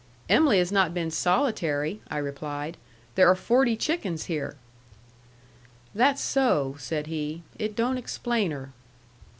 "Em'ly has not been solitary," I replied. "There are forty chickens here." "That's so," said he. "It don't explain her."